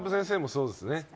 そうですね